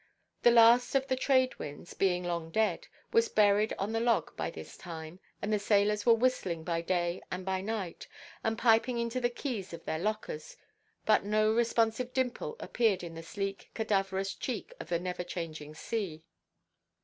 The last of the trade winds, being long dead, was buried on the log by this time; and the sailors were whistling by day and by night, and piping into the keys of their lockers; but no responsive dimple appeared in the sleek cadaverous cheek of the never–changing sea.